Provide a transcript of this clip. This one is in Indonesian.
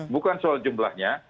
bukan soal jumlahnya